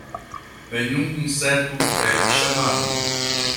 Nenhum inseto é chamado